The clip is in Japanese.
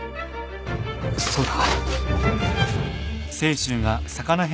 そうだ！